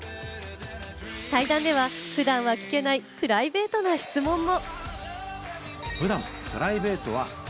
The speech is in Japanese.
対談では、普段は聞けないプライベートな質問も。